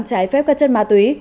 trái phép các chất ma túy